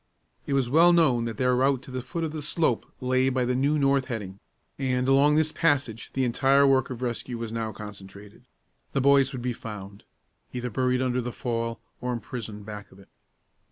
It was well known that their route to the foot of the slope lay by the new north heading; and, along this passage, the entire work of rescue was now concentrated. The boys would be found, either buried under the fall, or imprisoned back of it.